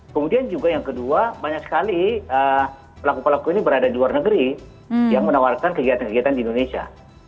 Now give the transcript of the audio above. kemudian juga yang kedua banyak sekali pelaku pelaku ini berada di luar negeri yang menawarkan kegiatan kegiatan di indonesia